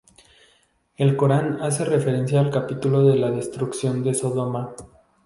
El Corán hace referencia al capítulo de la destrucción de Sodoma.